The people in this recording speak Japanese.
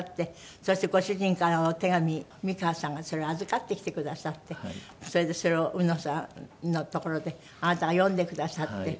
そしてご主人からはお手紙美川さんがそれを預かってきてくださってそれでそれをうのさんの所であなたが読んでくださって。